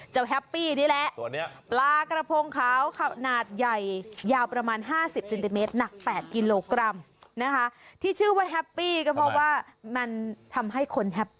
ทำให้คนแฮปปี้อ๋อถึงความสุข